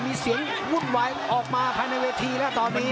มีเสียงวุ่นวายออกมาภายในเวทีแล้วตอนนี้